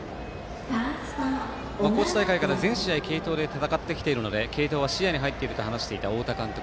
高知大会から全試合継投で戦ってきているので継投は視野に入っていると話していた太田監督。